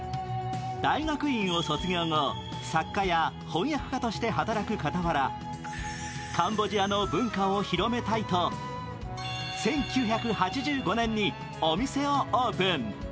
大学院を卒業後、作家や翻訳家として働く傍ら、カンボジアの文化を広めたいと１９８５年にお店をオープン。